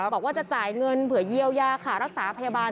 บอกว่าจะจ่ายเงินเผื่อเยียวยาค่ารักษาพยาบาล